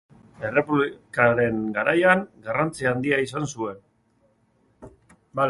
Errepublikaren garaian garrantzi handia izan zuen.